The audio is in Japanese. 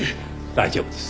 大丈夫です。